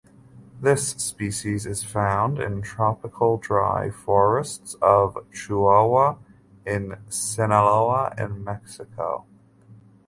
This species is found in tropical dry forests of Chihuahua and Sinaloa in Mexico.